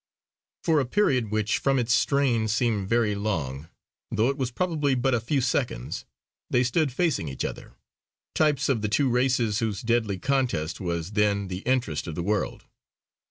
For a period which from its strain seemed very long, though it was probably but a few seconds, they stood facing each other; types of the two races whose deadly contest was then the interest of the world.